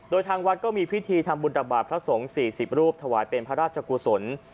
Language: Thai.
โดยทางวัดก็มีพิธีทำบุญตบาทพระสงฆ์๔๐รูปถวายเป็นพระราชกุศล